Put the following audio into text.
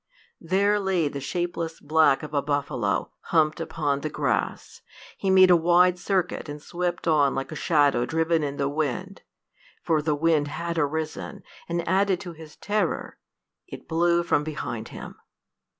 There lay the shapeless black of a buffalo, humped upon the grass: he made a wide circuit, and swept on like a shadow driven in the wind. For the wind had arisen, and added to his terror: it blew from behind him.